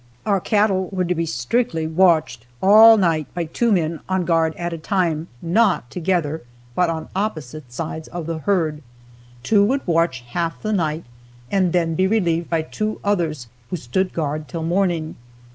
Our cattle were to be strictly watched all night by two men on guard at a time not together, but on opposite sides of the herd. Two would watch half the night and then be relieved by two others who stood guard till morning.